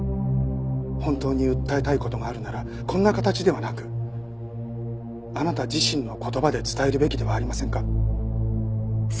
本当に訴えたい事があるならこんな形ではなくあなた自身の言葉で伝えるべきではありませんか？